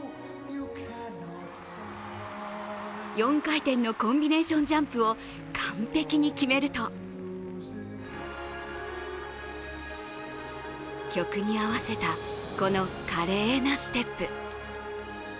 ４回転のコンビネーションジャンプを完璧に決めると曲に合わせたこの華麗なステップ。